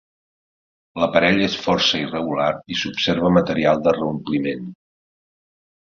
L'aparell és força irregular i s'observa material de reompliment.